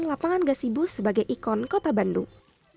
lapangan gasibu sebagai ikon kota bandung